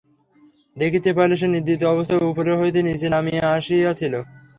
দেখিতে পাইল, সে নিদ্রিত অবস্থায় উপর হইতে নিচে নামিয়া আসিয়া ছিল।